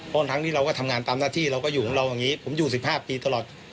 เพราะทั้งนี้เราก็ทำงานตามหน้าที่เราก็อยู่ของเราอย่างนี้ผมอยู่๑๕ปีตลอด